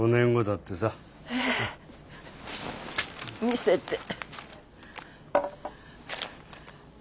見せて。